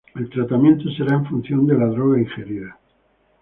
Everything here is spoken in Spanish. El tratamiento será en función de la droga ingerida.